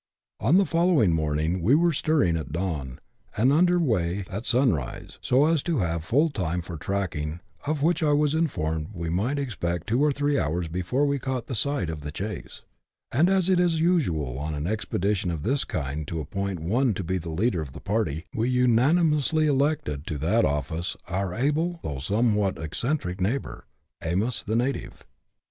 On the following morning we were stirring at dawn, and under weigh at sunrise, so as to have full time for tracking, of which I was informed we might expect two or three hours before we caught sight of the chase ; and as it is usual on an expedition of this kind to appoint one to be the leader of the party, we unanimously elected to that office our able, though somewhat eccentric neighbour, " Amos the native."